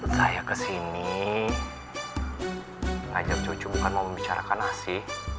saya kesini ngajak cucu bukan mau membicarakan nasi